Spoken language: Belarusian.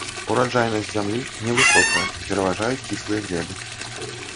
Ураджайнасць зямлі невысокая, пераважаюць кіслыя глебы.